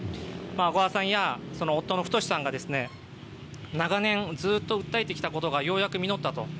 小川さんや小川さんの夫が長年、ずっと訴えてきたことがようやく実ったと。